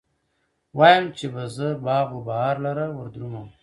وايم، چې به زه باغ و بهار لره وردرومم